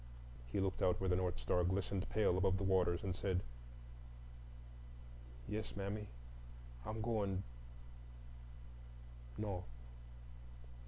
He looked out where the North Star glistened pale above the waters, and said, "Yes, mammy, I'm going—North."